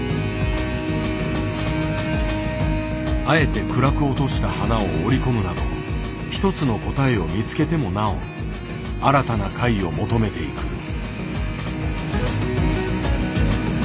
あえて暗く落とした花を織り込むなど一つの答えを見つけてもなお新たな解を求めていく。